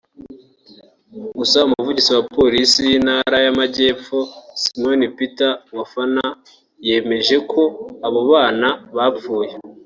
Gusa umuvugizi wa Polisi y’Intara y’Amajyepfo Simon Peter Wafana yemejeko abo bana bafpuye